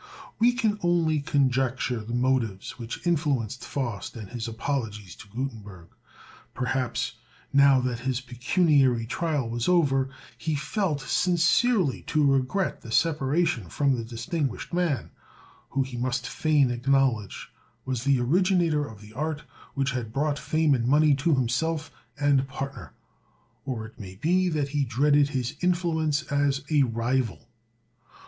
We can only conjecture the motives which influenced Faust in his apologies to Gutenberg. Perhaps, now that his pecuniary trial was over, he felt sincerely to regret the separation from the distinguished man who he must fain acknowledge was the originator of the art which had brought fame and money to himself and partner. Or it may be that he dreaded his influence as a rival.